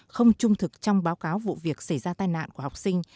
không trung thực trong báo cáo vụ việc xảy ra tai nạn của học sinh